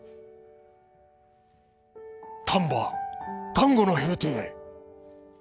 丹波・丹後の平定。